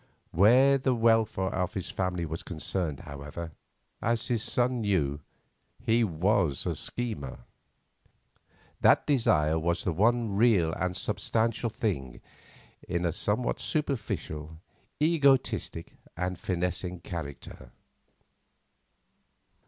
Where the welfare of his family was concerned, however, as his son knew, he was a schemer. That desire was the one real and substantial thing in a somewhat superficial, egotistic, and finessing character.